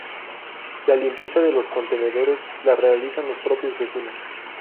La limpieza de los contenedores la realizan los propios vecinos.